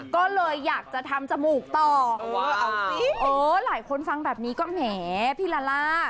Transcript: ก็เลยอยากจะทำจมูกต่อเอาสิเออหลายคนฟังแบบนี้ก็แหมพี่ลาล่า